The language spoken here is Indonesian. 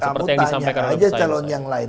kamu tanya aja calon yang lain